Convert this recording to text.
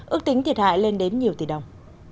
ước tính thiệt hại lên đến nhiều tỷ đồng